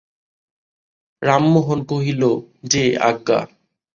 রামমোহন কহিল, যে আজ্ঞা।